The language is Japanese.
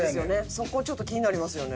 そこちょっと気になりますよね。